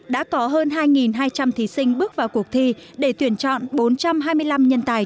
đã có hơn hai hai trăm linh thí sinh bước vào cuộc thi để tuyển chọn bốn trăm hai mươi năm nhân tài